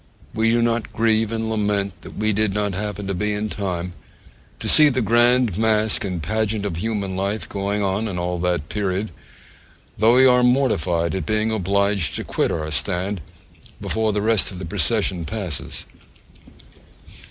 We do not grieve and lament that we did not happen to be in time to see the grand mask and pageant of human life going on in all that period; though we are mortified at being obliged to quit our stand before the rest of the procession passes.